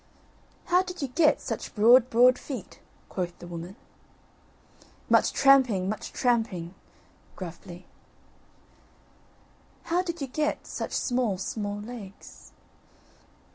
"How did you get such broad broad feet?" quoth the woman. "Much tramping, much tramping" (gruffly). "How did you get such small small legs?"